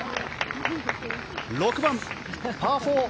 ６番、パー４。